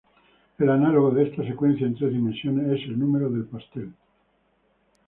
El análogo de esta secuencia en tres dimensiones es el número del pastel.